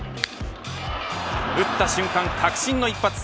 打った瞬間、確信の一発。